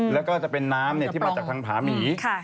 แล้วก็จะเป็นน้ำที่มาจากทางผาหมี